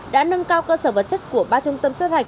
đã nâng cao cơ sở vật chất của ba trung tâm sát hạch